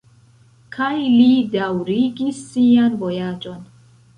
Kaj li daŭrigis sian vojaĝon.